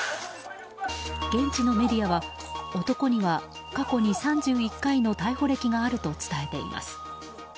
現地のメディアは男には過去に３１回の逮捕歴があると伝えています。